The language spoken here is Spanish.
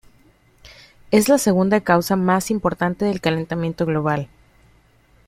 Es la segunda causa más importante del calentamiento global.